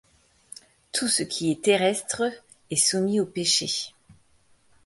Tout ce qui est terrestre est soumis au péché.